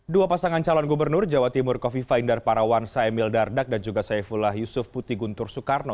dua pasangan calon gubernur jawa timur kofifa indar parawansa emil dardak dan juga saifullah yusuf putih guntur soekarno